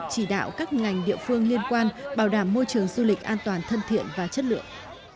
chỉ đạo các ngành địa phương liên quan bảo đảm môi trường du lịch an toàn thân thiện và chất lượng